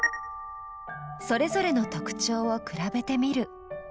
それぞれの特徴を比べてみる。